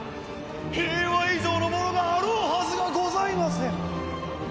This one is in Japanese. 平和以上のものがあろうはずがございません！